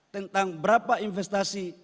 tentang berapa investasi